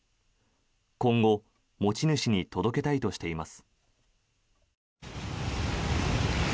今後、持ち主に届けたいとしています。